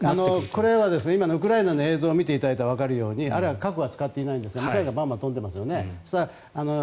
これは今のウクライナの映像を見たらわかりますようにあれは核は使っていないんですがミサイルがバンバン飛んでいますよね。